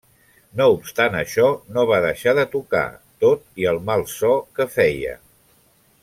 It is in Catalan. No obstant això, no va deixar de tocar, tot i el mal so que feia.